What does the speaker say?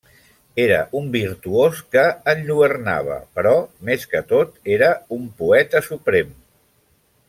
Era un virtuós que enlluernava, però més que tot era un poeta suprem.